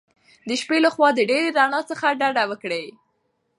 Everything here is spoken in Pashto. د شپې له خوا د ډېرې رڼا څخه ډډه وکړئ.